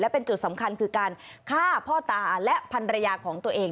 เป็นจุดสำคัญคือการฆ่าพ่อตาและพันรยาของตัวเอง